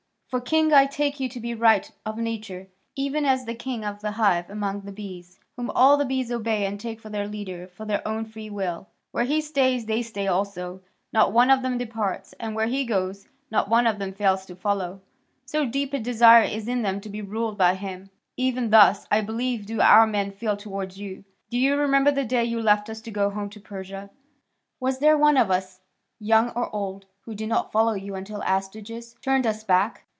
For king I take you to be by right of nature; even as the king of the hive among the bees, whom all the bees obey and take for their leader of their own free will; where he stays they stay also, not one of them departs, and where he goes, not one of them fails to follow; so deep a desire is in them to be ruled by him. Even thus, I believe, do our men feel towards you. Do you remember the day you left us to go home to Persia? Was there one of us, young or old, who did not follow you until Astyages turned us back?